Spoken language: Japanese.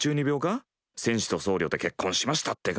戦士と僧侶で結婚しましたってか？